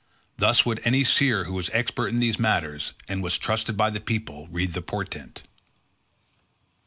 Thus would any seer who was expert in these matters, and was trusted by the people, read the portent."